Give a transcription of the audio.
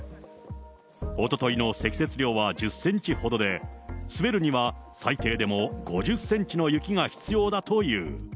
おとといの積雪量は１０センチほどで、滑るには最低でも５０センチの雪が必要だという。